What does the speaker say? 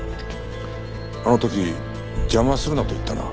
あの時邪魔するなと言ったな？